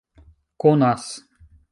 konas